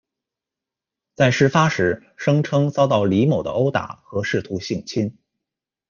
在事发时，声称遭到李某的殴打和试图性侵。